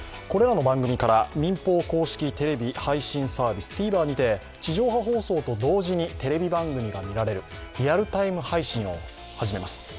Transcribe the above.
これらの番組から民放公式テレビ配信サービス、ＴＶｅｒにて地上波放送と同時にテレビ番組が見られるリアルタイム配信を始めます。